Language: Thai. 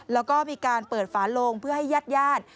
แล้วก็มีการเปิดฝาโลงเพื่อให้ญาติญาติ